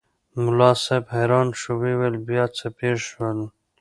ملا صاحب حیران شو وویل بیا څه پېښ شول؟